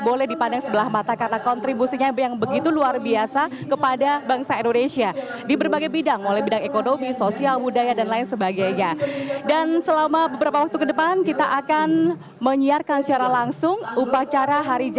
keputusan gubernur jawa timur